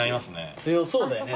強そうだよね。